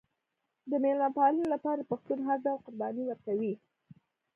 د میلمه پالنې لپاره پښتون هر ډول قرباني ورکوي.